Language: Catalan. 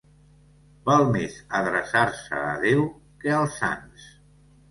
Val més adreçar-se a Déu que als sants.